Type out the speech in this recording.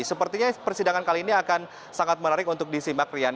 sepertinya persidangan kali ini akan sangat menarik untuk disimak rian